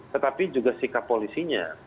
tetapi juga sikap polisinya